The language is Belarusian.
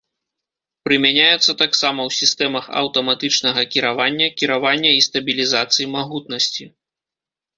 Прымяняецца таксама ў сістэмах аўтаматычнага кіравання, кіравання і стабілізацыі магутнасці.